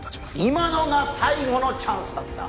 今のが最後のチャンスだった！